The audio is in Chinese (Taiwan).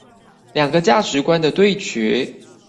兩個價值觀的對決